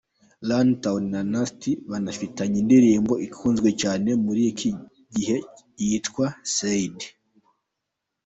Runtown na Nasty banafitanye indirimbo ikunzwe cyane muri iki gihe yitwa “Said”.